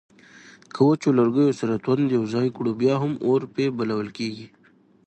که وچو لرګیو سره توند یو ځای کړو بیا هم اور په بلول کیږي